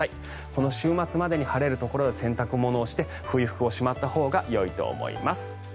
この週末までに晴れるところは洗濯物をして冬服をしまったほうがいいと思います。